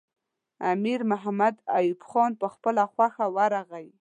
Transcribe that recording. امیر محمد یعقوب خان په خپله خوښه ورغی.